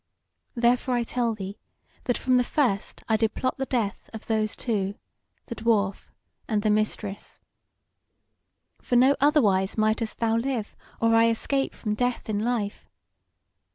Therefore I tell thee that from the first I did plot the death of those two, the Dwarf and the Mistress. For no otherwise mightest thou live, or I escape from death in life.